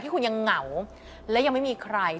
คุณยังเหงาและยังไม่มีใคร